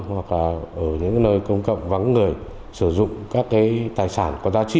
hoặc là ở những nơi công cộng vắng người sử dụng các cái tài sản có giá trị